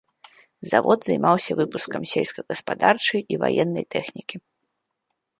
Завод займаўся выпускам сельскагаспадарчай і ваеннай тэхнікі.